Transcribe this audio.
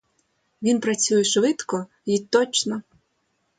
Він працює швидко й точно.